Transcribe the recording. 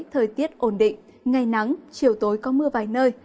thời tiết ổn định ngày nắng chiều tối có mưa vài nơi